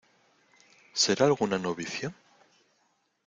¿ será alguna novicia?